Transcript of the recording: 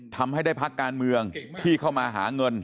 ทำให้ได้พักการเมืองที่เข้ามาหาเงิน